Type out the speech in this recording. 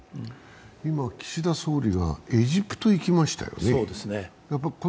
岸田総理がエジプト、行きましたよね。